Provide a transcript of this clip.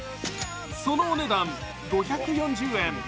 そのお値段５４０円。